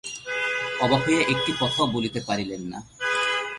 অবাক হইয়া একটি কথাও বলিতে পারিলেন না।